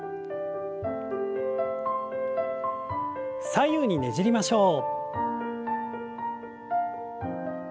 左右にねじりましょう。